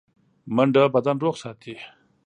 منډه بدن روغ ساتي